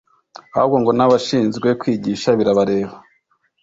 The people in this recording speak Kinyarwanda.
ahubwo ngo n’abashinzwe kwigisha birabareba